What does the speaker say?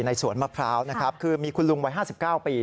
ในสวนมะพร้าวคือมีคุณลุงไว้๕๙ปี